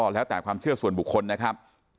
แล้วแต่ความเชื่อส่วนบุคคลนะครับ